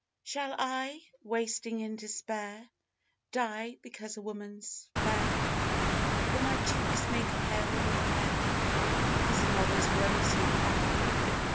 Shall I, wasting in despair, Die because a woman's fair? Or my cheeks make pale with care, 'Cause another's rosy are?